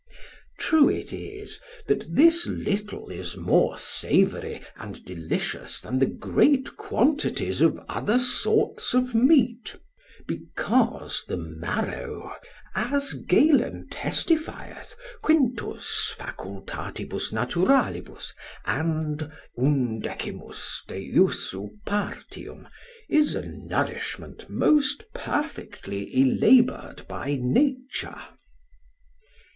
True it is, that this little is more savoury and delicious than the great quantities of other sorts of meat, because the marrow (as Galen testifieth, 5. facult. nat. & 11. de usu partium) is a nourishment most perfectly elaboured by nature.